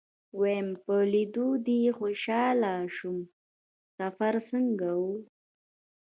ويم په ليدو دې خوشاله شوم سفر څنګه و.